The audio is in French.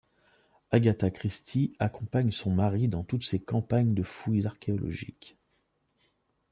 Agatha Christie accompagne son mari dans toutes ses campagnes de fouilles archéologiques.